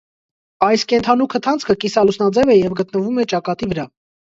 Այս կենդանու քթանցքը կիսալուսնաձև է և գտնվում է ճակատի վրա։